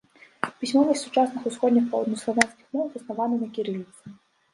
Пісьмовасць сучасных усходніх паўднёваславянскіх моў заснавана на кірыліцы.